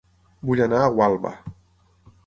Vull anar a Gualba